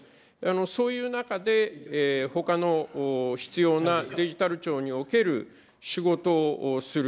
そういう中で、ほかの必要なデジタル庁における仕事をする。